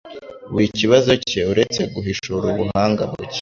Buri kibazo cye, uretse guhishura ubuhanga buke